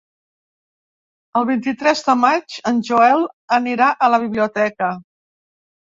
El vint-i-tres de maig en Joel anirà a la biblioteca.